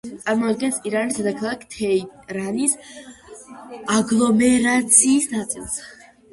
წარმოადგენს ირანის დედაქალაქ თეირანის აგლომერაციის ნაწილს.